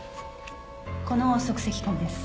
この足跡痕です。